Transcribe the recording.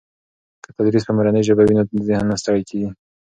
که تدریس په مورنۍ ژبه وي نو ذهن نه ستړي کېږي.